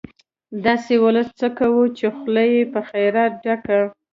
داسې ولس څه کوو، چې خوله يې په خيرات ډکه